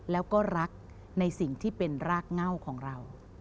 แล้วก็รักในสิ่งที่เป็นรากเง่าของเรา